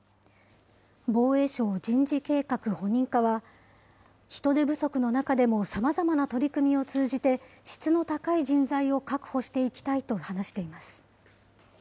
防衛省人事計画・補任課は、人手不足の中でもさまざまな取り組みを通じて、質の高い人材を確保していきたいと話しています。